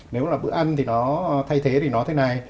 nếu là bữa ăn thì nó thay thế thì nó thế này